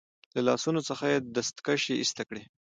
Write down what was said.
له لاسونو څخه يې دستکشې ایسته کړې.